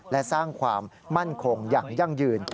และสร้างความมั่นคงอย่างยั่งยืน